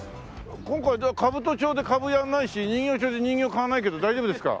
今回兜町で株やらないし人形町で人形買わないけど大丈夫ですか？